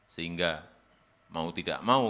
sehingga mau tidak mau